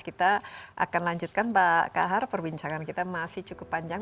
kita akan lanjutkan pak kahar perbincangan kita masih cukup panjang